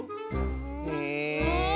へえ。